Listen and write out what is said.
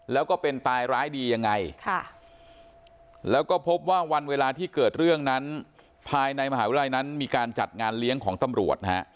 แล้วก็เป็นตายร้ายดียังไงแล้วก็พบว่าวันเวลาที่เกิดเรื่องนั้นภายในมหาวิทยาลัยนั้นมีการจัดงานเลี้ยงของตำรวจนะฮะ